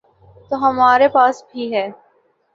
تو ہمارے پاس بھی ہے۔